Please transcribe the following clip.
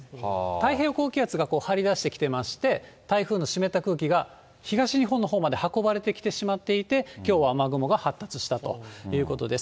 太平洋高気圧が張り出してきてまして、台風の湿った空気が東日本のほうまで運ばれてきてしまっていて、きょうは雨雲が発達したということです。